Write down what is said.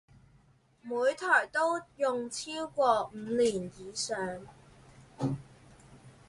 每台都用超過五年以上